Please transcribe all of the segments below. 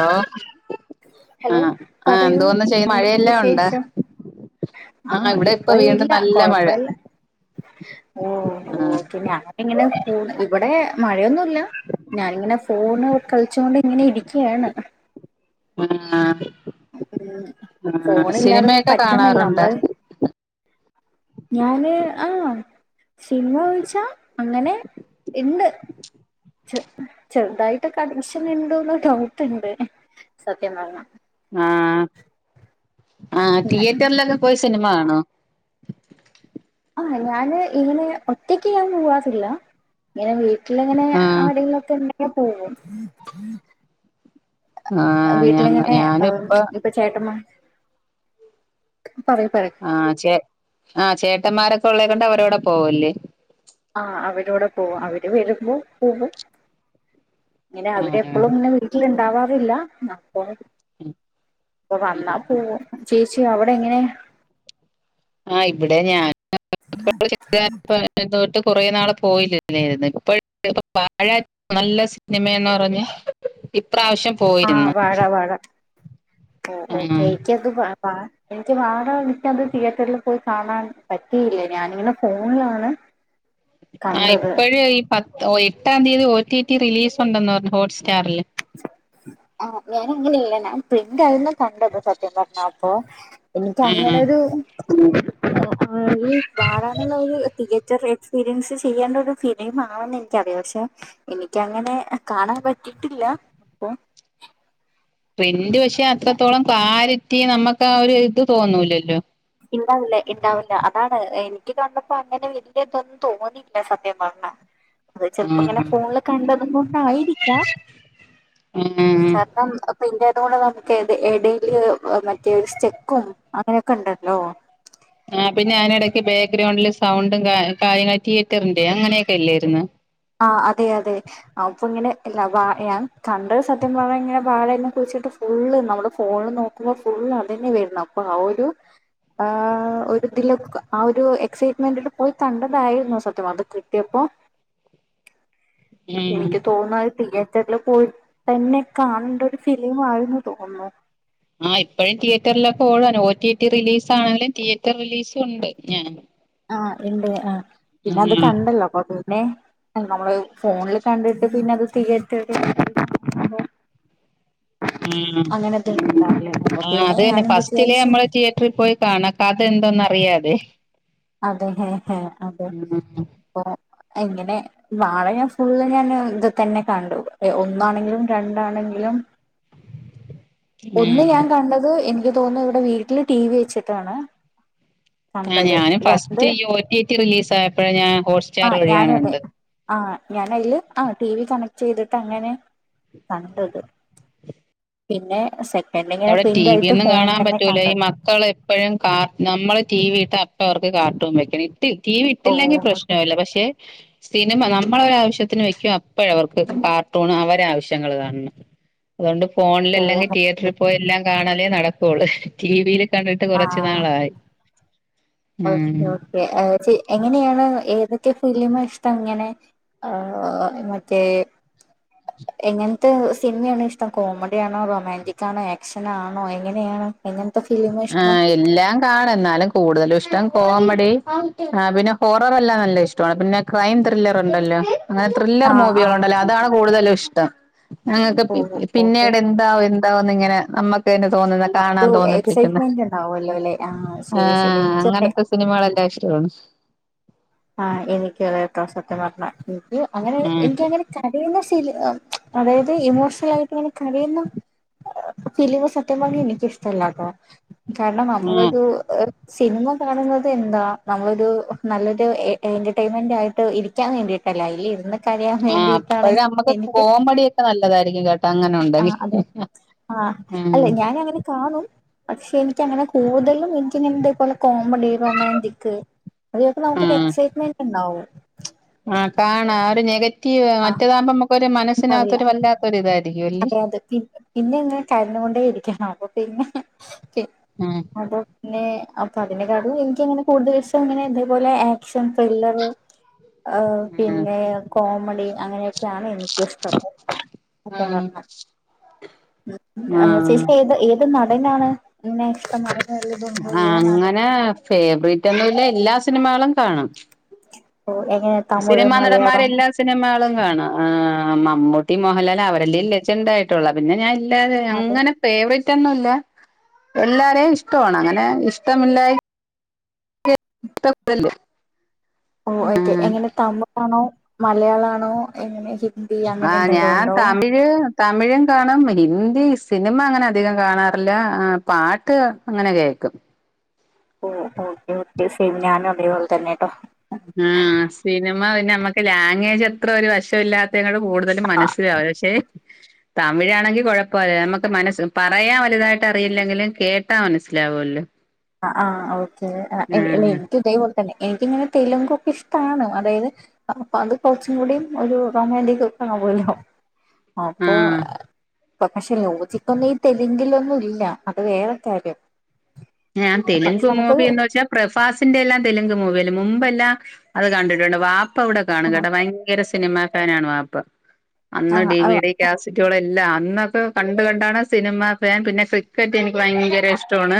ആ ഹലോ ആഹ് പറയൂ എന്തോന്ന ചെയ്യ എന്താ മഴയെല്ലാം ഉണ്ട് വിശേഷം ആഹ് ഇവിടെ ഇപ്പൊ വീണ്ടും നല്ല മഴ ഓ ആഹ് ഓക്കെ ഞാൻപ്പ ഇങ്ങനെ ഇവിടെ മഴയൊന്നുല്ല. ഞാനിങ്ങനെ ഫോണ് കളി ചോണ്ട് ഇങ്ങനെ ഇരിക്ക്യാണ്. ആഹ് ഉം ആഹ് ഫോണില്ലാതെ സിനിമയൊക്കെ പറ്റുന്നില്ല കാണാറുണ്ട് നമ്മള് ഞാന് ആഹ് സിൻമ ചോയ്ച്ചാ അങ്ങനെ ഇണ്ട്. ചെറുതായിട്ടൊക്കെ അഡിക്ഷൻ ഇണ്ടന്ന് ഡൗട്ട്ണ്ട് സത്യം പറ്ഞ്ഞ. ആഹ് ആ തീയേറ്ററിലൊക്കെ പോയി സിനിമ കാണോ ആഹ് ഞാന് ഇങ്ങനെ ഒറ്റക്ക് ഞാൻ പോവാത്തില്ല ഇങ്ങനെ വീ വീട്ടില അങ്ങനെ ആ ആഹ് എടീലൊക്കെ ഇങ്ങെനെ പോകും ആഹ് ഞങ്ങ വീട്ടിലിങ്ങനെ ഞാനിപ്പ ഇപ്പൊ ചേട്ടമ്മ പറയു പറയ് ആഹ് ചേ ആ ചേട്ടന്മാരൊക്കെ ഉള്ളേ കൊണ്ട് അവരടെ പോവെല്ലേ ആ അവരൂടെ പോകും. അവര് വരുമ്പോ പോകും. ഇങ്ങനെ ആഹ് അവരെപ്പളും ഇങ്ങനെ വീട്ടില് ഇണ്ടാവാറില്ല അപ്പോ അപ്പ വന്നാ പോവും. ച്ചെ അവിടെ എങ്ങനെ ആഹ് ഇവിടെ ഞാൻ [unintelligible] എന്നട്ട് കുറേ നാള് പോയില്ലായിരുന്നു ഇപ്പ വാഴ നല്ല സിനിമയെന്ന് പറഞെ ഇപ്രാവശ്യം പോയിരുന്നു ആഹ് വാഴ വാഴ ഓ ആഹ് ഒക്കെ ഇക്ക്യന്ത് വാഴ എനിക്ക് വാഴ എനിക്ക്ത് തിയേറ്ററിൽ പോയി കാണാൻ പറ്റിയില്ല. ഞാനിങ്ങനെ ഫോണിലാണ്. [inaudible] ആഹ് കണ്ടത് ഇപ്പഴ് ഈ പത്ത് ഒ എട്ടാം തീയതി ഒ ടി ടി റിലീസ് ഉണ്ടെന്ന് പറ്ഞ്ഞു ഹോട്ട് സ്റ്റാറില്. ആഹ് ഞാന അങ്ങനെയല്ലേ ഞാൻ പ്രിന്റാ ഇര്ന്ന് കണ്ടത് സത്യം പറ്ഞ്ഞ അപ്പോ. എനിക്ക് ആഹ് അങ്ങനെരു ആഹ് ഈ പാടനുള്ള ഒരു തിയേറ്റർ. എക്സ്പീരിയൻസ് ചെയ്യേണ്ട ഒരു ഫിലിം ആണെന്ന് എനിക്കറിയ പക്ഷേ. എനിക്കങ്ങനെ കാണാൻ പറ്റിട്ടില്ല അപ്പോ. പ്രിന്റ് പക്ഷേ അത്രത്തോളം ക്ലാരിറ്റി നമുക്ക് ആഹ് ഒരു ഇത് തോന്നൂലല്ലോ. ഇണ്ടാവില്ല ഇണ്ടാവില്ല അതാണ് എനിക്ക് കണ്ടപ്പോ അങ്ങനെ വലിയ ഇതൊന്നും തോന്നിയില്ല സത്യം പറ്ഞ്ഞ. [inaudible] അത് ചെലപ്പം ഇങ്ങനെ ആഹ് ഫോണില് കണ്ടത് കൊണ്ടായിരിക്കാം ആഹ് കാരണം. പിന്നെ അതുകൂടെ നമുക്ക്ത് ഇടയില് മറ്റേ സ്റ്റെക്കും അങ്ങനെയൊക്കെ ഉണ്ട്. ഓ. ആഹ് പിന്നെ അതിനി ഇടയ്ക്ക് ബാഗ്രൗണ്ടില് സൗണ്ടും കാ കാര്യങ്ങൾ തിയേറ്ററിന്റെ അങ്ങനെയൊക്കെ ഇല്ലായിരുന്നു. ആഹ് അതെ അതെ. അപ്പൊ ഇങ്ങനെ ലവ എ ഞാൻ കണ്ട് സത്യം പറ്ഞ്ഞഴിഞാല് ബാഴനെ കുറിച്ചിട്ട്. ഫുള്ള് നമ്മുടെ ഫോണിൽ നോക്കുമ്പോ ഫുള്ള് അത് തന്നെ വരുന്നു അപ്പൊ ആഹ് ഒരു. ആഹ് ഒരുതില ആഹ് ഒരു എക്സൈറ്റ്മെന്റ പോയി കണ്ടതായിരുന്നു സത്യം പറ്ഞാ അത് കിട്ടിയപ്പോ. ഉം എനിക്ക് തോന്ന അത് [unintelligible] റ്റർല് പോയി തന്നെ കാണേണ്ട ഒരു ഫിലിം ആയിരുന്നു തോന്നുന്നു. ആഹ് ഇപ്പോഴും തിയേറ്ററിലൊക്കെ ഓടാണ് ഓ ടി ടി റിലീസാണെങ്കിലും തിയേറ്റർ റിലീസും ഉണ്ട് ഞാ ആഹ് ഉണ്ട് ആഹ് പിന്നെ അത് ആഹ് കണ്ടല്ലോ കൊ പിന്നെ നമ്മള് ഫോണിൽ കണ്ടിട്ട് പിന്നെ അത് തിയറ്റർല് ണ്ടാവില്ല അപ്പൊ ആഹ് പിന്നെ അത് തന്നെ ഞാനും ഫസ്റ്റിലെ വിചാരിച്ചു നമ്മള് തി പോയി കാണക്കാതെന്തോന്ന അറിയോ അത്. അതെ ഹ ഹ അതെ ഉം അപ്പോ എങ്ങനെ? വാഴ ഞൻ ഫുള്ള് ഞാന് ഇത് തന്നെ കണ്ടു ഒന്നാണെങ്കിലും രണ്ടാണെങ്കിലും. ഒന്ന് ഉം ഞാൻ കണ്ടത് എനിക്ക് തോന്നുന്നു ഇവിടെ വീട്ടില് ടി വി വെച്ചിട്ടാണ്. ആഹ് കണ്ടത് ഞാന് രണ്ട് ഫസ്റ്റ് ഈ ഒ ടി ടി റിലീസ് ആയപ്പോഴ ഞാൻ ഹോട്ട് സ്റ്റാർ വഴിയാണ് കണ്ടത്. ആഹ് ഞാന അതില് ആഹ് ടി വി കണക്ട് ചെയ്തിട്ട് അങ്ങനെ കണ്ടത്. പിന്നെ സെക്കൻഡ് ഇങ്ങനെ അവിടെ ടി വി പ്രിന്റായിട്ട് ഒന്നും ഫോണിൽ കാണാൻ തന്നെ പറ്റൂല ഈ കണ്ടു. മക്കൾ എപ്പോഴും കാ നമ്മള് ടി വി ഇട്ട അപ്പ അവർക്ക് കാർട്ടും വക്കണ തീ ഓ വിട്ടില്ലെങ്കിൽ ഓക്കെ പ്രശ്നല്ല പക്ഷേ. സിനിമ നമ്മളെ ഒര് ആവശ്യത്തിന് വെക്കും അപ്പോഴ അവർക്ക് കാർട്ടൂണ് അവര ആവശ്യങ്ങള്ൾ കാണണം. അതുകൊണ്ട് ഫോണില് ഓ അല്ലെങ്കിൽ ഓക്കെ തിയേറ്ററിൽ പോയി എല്ലാം കാണാലേ നടക്കുള്ളൂ. ടി വിയിൽ കണ്ടിട്ട് ആ കൊറച്ചു നാളായി. ഓക്കെ ഉം ഓക്കേ എ ച്ചി എങ്ങനെയാണ് ഏതൊക്കെ ഫിലിം ഇഷ്ടം ഇങ്ങനെ. ആഹ് മറ്റേ. [inaudible] എങ്ങനത്തെ സിനിമയാണ് ഇഷ്ടം കോമഡിയാണോ റൊമാൻറിക്കാണോ ആക്ഷനാണോ എങ്ങനെയാണ്? എങ്ങനത്തെ ഫീ ആഹ് ഇല്ലാ. കാണ എന്നാലും കൂടുതലും ഇഷ്ടം കോമഡി ആഹ് പിന്നെ ഹോറർ എല്ലാം നല്ല ഇഷ്ടമാണ് പിന്നെ. ക്രൈം ത്രില്ലറ്ണ്ടല്ലോ. അങ്ങനെ ത്രില്ലർ ആഹ് ആഹ് മൂവികളുണ്ടല്ലോ അതാണ് കൂടുതലും ഇഷ്ടം ഞങ്ങൾക്ക് ഓ ഓക്കെ പിന്നീട് എന്താ? എന്തേന്ന് ഇങ്ങനെ നമുക്ക്ന്നെ തോന്നുന്നത് കാണാൻ തോന്നി പോയി. [unintelligible] ണ്ടാവല്ലോ അല്ലെ ആഹ് ശരി ശരി ആഹ് അങ്ങനത്തെ [unintelligible] സിനിമകളെല്ലാം ഇഷ്ടമാണ് ആഹ് എനിക്ക് വളരെ പ്രസത്യ പറഞ്ഞ എനിക്ക് അങ്ങനെ ഉം എനിക്കങ്ങനെ കരയുന്ന ശീല് അതായത് ഇമോഷണൽ കങ്ങനെ കരയുന്ന ഫിലിം സത്യം പറഞ്ഞ ഇൻകിഷ്ടല്ലാട്ടോ കാരണം ഉം നമ്മളൊരു സിനിമ കാണുന്നത് എന്താ നമ്മളൊരു നല്ല രു എന്റർടൈൻമെന്റ് ആയിട്ട് ഇരിക്കാൻ വേണ്ടിയിട്ടല്ല അയ്ല് ഇല്ല ഇര്ന്ന് ആഹ് അപ്പഴ നമ്മുക്ക് കോമഡിയൊക്കെ നല്ലതായിരിക്കും കേട്ടാ അങ്ങനെ ഉണ്ടെങ്കി ആഹ് അല്ല ഞാനങ്ങനെ കാണും പക്ഷെ എനിക്കങ്ങനെ കൂടുതലും എനിക്കിങ്ങനെേപോലെ കോമഡി റൊമാൻറിക് പം നമുക്കൊരു ഉം എസൈറ്റ്മെന്റ് ഉണ്ടാവും ആഹ് കാണാ ഒരു നെഗറ്റീവ് ആ മറ്റേതാകുമ്പോ മക്കൊരു ഉണ്ടാവില്ല മനസ്സിനകത്തൊരു വല്ലാ ത്തൊരിതായിരിക്കു അ അതെ അതെ പിൻ പിന്നെ ഇങ്ങനെ കരഞ്ഞോണ്ടേ ഇരിക്കു അപ്പൊ പിന്നെ ആഹ് അത പിന്നെ അപ്പൊ അതിന്റെ കാര്യ എനിക്കങ്ങനെ കൂടുതൽഷം അങ്ങനെ ഇതേപോലെ ഏഹ് ക്ഷം ത്രില്ലർ ഏഹ് പിന്നെ കോമഡി അങ്ങനെ ക്കെയാണ് എനിക്കിഷ്ടം ആഹ് ഉം ആഹ് ഏഹ് ചേച്ചിക്ക് ഏത് ഏത് നടനാണ് ന്നെ ഇഷ്ടം ന ആങ്ങനെ ഫേവറേറ്റ് ഒന്നുല്ല എല്ലാ സിനിമകളും കാണും ഓഹ് എങ്ങ സിനിമാ നടന്മാരെല്ലാസ് സിനിമകളും കാണും ആഹ് മമ്മൂട്ടി മോഹൻലാല് അവരെല്ലേ ഇല്ല ചെണ്ടായിട്ടുള്ള പിന്നെ ഞാൻ എ ല്ലേലു അതെ അങ്ങനെ ഫേവററ്റ് ഒന്നുംല്ല എല്ലാരേം ഇഷ്ടവാണ് അങ്ങനെ ഇഷ്ടമില്ലായി [unintelligible] ഓഹ് ഓക്കെ ഉം എങ്ങനെ തമിഴാണോ മലയാളാണോ എങ്ങനെ ഹി ആഹ് ഞാൻ തമിഴ് തമിഴും കാണും ഹിന്ദി സിനിമ അങ്ങനെ അധികം കാണാറില്ല ആഹ് പാട്ട് അങ്ങനെ കേൾക്കും. ഓഹ് ഓക്കെ ഓക്കെ സേം ഞാനും അതേപോലെ തന്നെട്ടോ. ആഹ് സിനിമ പിന്നെ നമ്മക്ക് ലാംഗ്വേജ് എത്ര ഒരു വശംമില്ലാത്ത ത്യങ്ങൾ കൂടുതലും ആ മനസ്സിലാവ് ല പക്ഷെ തമിഴാണെങ്കി കുഴപ്പല്ല നമുക്ക് മനസ് പറയാം വലുതായിട്ട് അറിയില്ലെങ്കിലും കേട്ടാ മനസ്സിലാവുല്ലോ. ആഹ് ആഹ് ഓക്കേ അല്ല ആഹ് എനിക്ക് ഇതേപോൽ തന്നെ എനിക്കിങ്ങനെ തെലുങ്ക്ക്കെ ഇഷ്ടാണ് അതായത് അപ്പൊ അത് കുറച്ചും കൂടിയും ഒരു റൊമാന്റിക് ഒക്ക ആവുല്ലോ അപ്പൊ ആഹ് പ്രൊഫക്ഷെ ലൊജിക്കൊന്നീ തല്ലെങ്കിലൊന്നും ഇല്ല അത് വേറെക്കാര്യം. ഏഹ് ഞാൻ തെലുങ്ക് മൂവി എന്ന് വെച്ചാ. പ്രഫാസിന്റെ എല്ലാം തെലുങ്ക് മൂവിയൽ മുമ്പെല്ലാം അത് കണ്ടിട്ടുണ്ട് വാ പ്പ വിടെ കാണ കേട്ടാ ഭയങ്കര സിനിമാഫാനാണ് വാപ്പ ആ അന്ന് ഡിവി ഡി ഗ്യസിറ്റികളല്ലാം അന്നൊക്കെ കണ്ട കണ്ടാണ് സിനിമ ഫാൻ പിന്നെ ക്രിക്കറ്റ് എനിക്ക് ഭയങ്കര ഇഷ്ടമാണ്.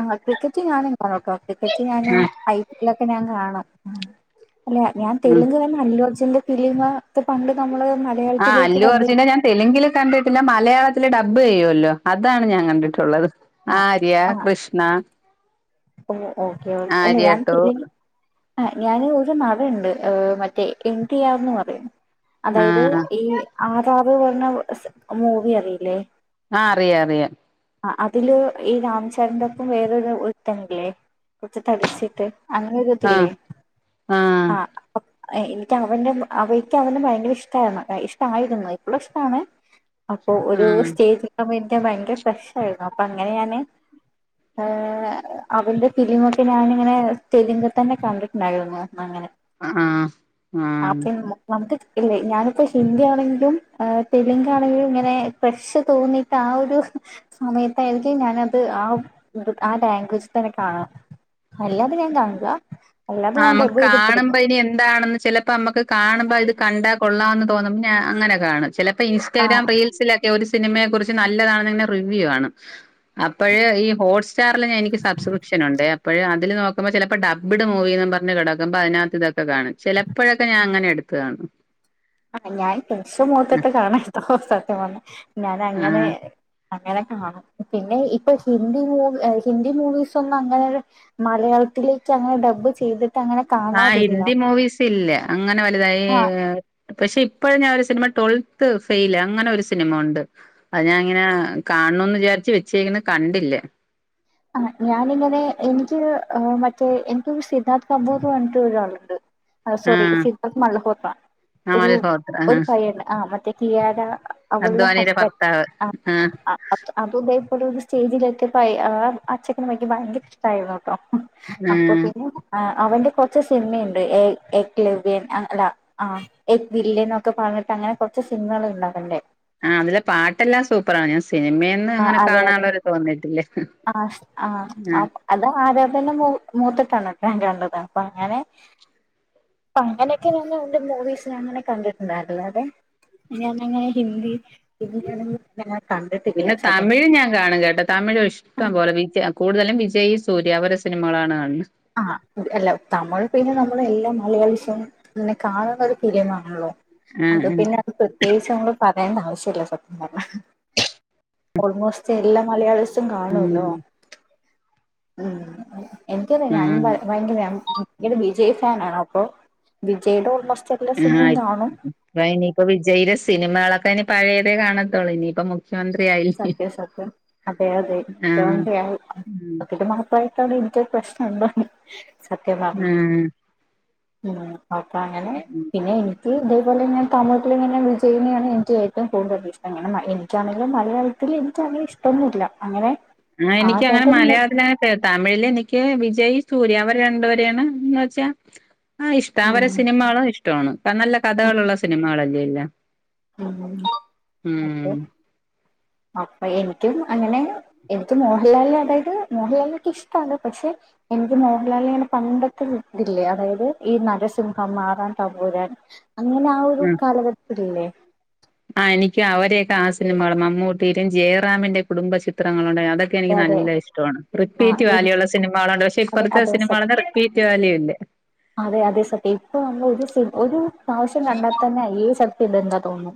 ആഹ് ക്രിക്കറ്റ് ഞാനും കാണോട്ടോ ക്രിക്കറ്റ് ഞാന് ഉം ഐ പി എൽ ഒക്കെ ഞാൻ കാണും ഉം അല്ല ഞാൻ ഉം തെലുങ്ക് വ അല്ലു അർജൂന്റെ ഫിലിമ പ്പ പണ്ട്ക്കെ അമ്മള് മ ആഹ് അല്ലുഅർജുനെ ഞാൻ തെലുങ്കില് കണ്ടിട്ടില്ല മലയാളത്തില് ഡബ് ചെയ്യുവല്ലോ അതാണ് ഞാൻ കണ്ടിട്ടുള്ളത്. ചെയ്ത ആര്യ ആ കൃഷ്ണ ഓ ഓക്കേ ഓ അല്ല ആര്യ ഞാൻ ടു തെലുങ്ക് ആ ഞാന് ഒരു നടുണ്ട് ആഹ് മറ്റേ എന്ത്യാന്ന് പറയും അതായത് ആഹ് ഈ ആറാറ് പറഞ്ഞ മൂവി അറിയില്ലേ ആഹ് അറിയാം അറിയാം ആ അതില് ഈ രാംചരന്റെ ഒപ്പം വേറൊരു ഒരുത്തനില്ലേ കുറച്ച് തടിച്ചിട്ട് അങ്ങനെ ആഹ് ഒരിതില്ലേ ആഹ് അപ്പം ഏഹ് എനിക്ക് അവൻന്റെ അവയ്ക്ക് അവൻ ഭയങ്കര ഇഷ്ടരുന്നു ഇഷ്ടമായിരുന്നു ഇപ്പോഴും ഇഷ്ടാണ് അപ്പൊ ഒരു സ്റ്റേജ്ഒക്കെ ആകുമ്പോ എനിക്ക് ഭയങ്കര ക്രേഷ് ആയിരുന്നു അപ്പൊ അങ്ങനെ ഞാന് ആഹ് അവന്റെ ഫിലിമൊക്കെ ഞാനിങ്ങനെ തെലുങ്ക് തന്നെ കണ്ടിട്ടുണ്ടായിരുന്നു അങ്ങനെ ആഹ് ആഹ് ആ ആഹ് ദ്യം നമു നമുക്ക് ഇല്ലേ ഞാനിപ്പോ ഹിന്ദി ആണെങ്കിലും ആഹ് തെലുങ്ക് ആണെങ്കിലും ഇങ്ങനെ ക്രേഷ് തോന്നി ട്ടാ ഒരു സമയത്തായിരിക്കും ഞാനത് ആ ഹ്ആ ലാംഗ്വേജിൽ തന്നെ കാണാം അല്ലാതെ ഞാൻ കാണില്ല അല്ലാതെ ആഹ് ഞാൻ നമ്മുക്ക് ഡബ് കാണുമ്പോ ചെയ്തിട്ടായിരിക്കും ഇനി എന്താണെന്ന് ചെല പ്പം നമുക്ക് കാണുമ്പ ഇത് കണ്ടാ കൊള്ളാംമന്ന് തോന്നുമ്പോ ഞാൻ അങ്ങനെ കാണും ചിലപ്പോ ആ ഇൻസ്റ്റഗ്രാം റീൽ സിലൊക്കെ ഒരു സിനിമയെ കുറിച്ച് നല്ലതാണെ റിവ്യൂ കാണും അപ്പോഴ ഈ ഹോട്സ് സ്റ്റാറിൽ എനിക്ക് സബ്ക്രിപ്ഷൻ ഉണ്ട് അപ്പോഴ അതിൽ നോക്ക്പോ ചിലപ്പോ ഡബഡ് മൂവി ന്ന് പറഞ്ഞ് കടക്കുമ്പം അതിനകത്ത് ഇതൊക്ക കാണും ചിലപ്പോഴൊക്കെഞാൻ അങ്ങനെ എടുത്ത് കാണും ആന് ഞാൻ കുറച്ചു മൂത്തിട്ട് കാണാത്തോ സത്യ പറ ഞാൻ ആ അങ്ങനെ അങ്ങനെ കാണും പിന്നെ ഇപ്പൊ ഹിന്ദി മൂവി ഹിന്ദി മൂവിസ് ഒന്നും അങ്ങനെ മലയാളത്തിലേക്ക് അങ്ങനെ ഡബ് ചെയ്തിട്ട് അങ്ങനെ കാണാതില്ല ആഹ്ഹിന്ദി മൂവിസ് ഇല്ലേ അങ്ങനെ വലുതായി ആ ഏഹ് പക്ഷെ ഇപ്പോഴ ഞാൻ ഒരു സിനിമ ട്വൽത്ത് ഫെയിൽ അങ്ങനെ ഒരു സിനിമ ഉണ്ട് അത് ഞാൻ ഇങ്ങനെ കാണണന്ന് വിചാരിച്ചച്ച് വെച്ചേക്കുന്നു കണ്ടില്ല ആഹ് ഞാനിങ്ങനെ എനിക്ക് മറ്റേ എനിക്ക് സിദ്ധാർത്ഥ് കബൂർ പറഞ്ഞിട്ട് ഒരാളുണ്ട് സോറി ആഹ് സിദ്ദഹ് മൽഹോത്ര ഒരു അമൽ ഹോത്ര ആ ഒരു പയ്യന് ആ മറ്റേ കിയാര അവൾളുടെ അദ്വാനിയുടെ ഹസ്ബന്റ് ഭർത്താവ് ആഹ് ആ ആഹ് ഒകെ അതും ഇതേപലെ ഒരു സ്റ്റേജിൽെത്തിയപ്പോ ആഹ് അച്ചക്കന വക്ക് ഭയങ്കര ഇഷ്ടമായിരുന്നു കേട്ടോ അപ്പൊ ഉം പിന്നെ അവന്റെ കുറച്ച് സിനിമയുണ്ട് എ എക്ലിയ വൻ അല്ല ആഹ് എക് വില്ലി എന്നൊക്കെ പറഞ്ഞിട്ട് അങ്ങനെ കുറച്ച് സിനിമകൾ ഉണ്ടവന്റെ ആഹ് അതില പാട്ടെല്ലാം സൂപ്പറാണ് ഞാൻ സിനിമയിൽ ന്ന് ആ അങ്ങനെ അതെ അതെ കാണാനുള്ളരു തോന്നിട്ടില്ല ആഹ് ആഹ് എ അത് ആര തന്നെ മൂ മൂത്തിട്ടാണ് എട്ടൻ കണ്ടത് അപ്പൊ അങ്ങനെ ഇപ്പ അങ്ങനെയൊക്കെ ഞാന് മൂവീസിന്അങ്ങനെ കണ്ടിട്ടുണ്ടായിരുന്നു അതെ ഞാനങ്ങനെ ഹിന്ദി ഹിന്ദിയാണെങ്കി ഞാൻ കണ്ടിട്ടില്ല സത്യം ഇത് ഞാൻ കാണും കേട്ടോ തമിഴ് ഇഷ്ടം പോലെ വിജയ് കൂടുതലും വിജയ് സൂര്യ അവരെ സിനിമകളാണ് കാണണത് ആഹ് അല്ല തമിഴ് പിന്നെ നമ്മള് എല്ലാ മലയാളിഷും പിന്നെ കാണുന്നത് ഫിലിംആണല്ലോ ആ അത് ആ പിന്നെ അത് പ്രത്യേകിച്ച് നമ്മള് പറയണ്ട ആവശ്യ ഇല്ല സത്യം പറഞ്ഞ ഓൾമോസ്റ്റ് എല്ലാ മലയാളീസും കാണൂല്ലോ ഉം ഉംഎനിക്കതെ ആ ഞാനും ഭ ഭയങ്കര ഇത് വിജയ് ഫാനാണ് അപ്പൊ വിജയിടോടുള്ള സ് ആഹ് ഇപ്പൊ ഇനിയിപ്പ വിജയിയുടെ സിനിമകളൊക്കെ ഇനി പഴയതേ കാണത്തോള്ളൂ ഇനിയിപ്പം മു ഖ്യമന്ത്രി ആയി സത്യം സത്യം അതെ അതെ ആ [unintelligible] ഇപ്പായിട്ടടെ എനിക്കൊരു പ്രശ്നം ണ്ട് സത്യം പർഞ്ഞോ ആ ഉം അപ്പ അങ്ങനെ പിന്നെ എനി ഇതേപോലെ ഞാ താഴോട്ടിൽ ങ്ങനെ വിജയിനെയാണ് എനിക്ക് ഏറ്റവും കൂടുതൽ ഇഷ്ടം അങ്ങനെ എനിക്കാണെങ്കും മ [unintelligible] എനിക്ക് അങ്ങനെ ഇഷ്ടൊന്നുമില്ല അങ്ങനെ ആഹ് എനിക്ക് അങ്ങനെ ആരാധന മൂ- മലയാളത്തിലെ എഹ് തമിഴില് എനിക്ക് വിജയ്, സൂര്യ അവര് രണ്ടുപേരെയാണ് എന്ന് വെച്ച ആഹ് ഇഷ്ട ഉം അവരെ സിനിമകളും ഇഷ്ടമാണ് നല്ല കഥകളുള്ള സിനിമകളല്ലെ എല്ലാം. ഉം അപ്പോ [inaudible] അപ്പ എനിക്കും അങ്ങനെ എനിക്ക്‌ മോഹൻലാലിനെ അതായത് മോഹൻലാലിന ഒക്കെ ഇഷ്ടാണ് പക്ഷെ എനിക്ക് മോഹൻലാലിലെ പണ്ടത്തെ ഇതില്ലേ അതായത് ഈ നരസിംഹം, മാറാൻ, തമ്പുരാൻ അങ്ങനെ ആഹ് ഒരു കാലഘട്ടത്തിലല്ലേ ആഹ് എനിക്ക് അവരെക്കെ ആഹ് സിനിമകളും മമ്മൂട്ടിയിലും ജയറാമിന്റെ കുടുംബ ചിത്രങ്ങളുണ്ട് അത എനിക്ക് അതെ അതെ നല്ല ഇഷ്ട്ടാണ് ആ റിപ്പീറ്റ് എനിക്ക് വാലിയുള്ള സിനികളുണ്ട് പക്ഷെ അതെ ഇപ്പടുത്ത അതെ സത്യം സിനിമകളൊന്നുറിപ്പീറ്റ് വാല്യൂ ഇല്ല. അതെ അതെ സത്യം ഇപ്പൊ വന്ന ഒരു സി ഒരു പ്രാവിശ്യം കണ്ടാൽ തന്നെ അയ്യേ സത്യ ണ്ട് എന്താ തോന്നും.